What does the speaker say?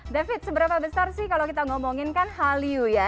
david seberapa besar sih kalau kita ngomongin kan hallyu ya